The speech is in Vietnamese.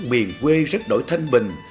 miền quê rất nổi thanh bình